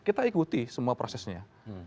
kita ikuti semua prosesnya